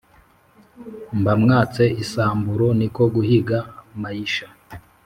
mba mwatse isamburo niko guhiga mayisha